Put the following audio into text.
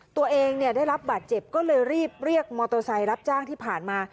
ตัวเองได้รับบาดเจ็บก็เลยรีบเรียกมอเตอร์ไซค์รับจ้างที่ผ่านมา